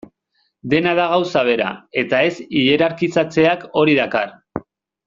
Dena da gauza bera, eta ez hierarkizatzeak hori dakar.